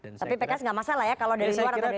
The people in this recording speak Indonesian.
tapi pks tidak masalah ya kalau dari luar atau dari dalam